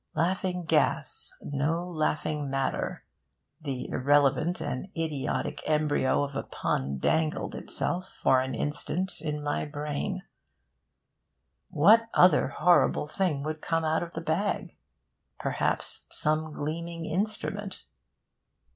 'Laughing gas, no laughing matter' the irrelevant and idiotic embryo of a pun dangled itself for an instant in my brain. What other horrible thing would come out of the bag? Perhaps some gleaming instrument?...